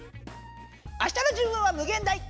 あしたの自分は無限大！